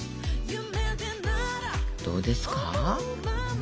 どうですか？